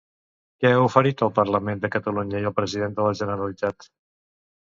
Què ha oferit al Parlament de Catalunya i al president de la Generalitat?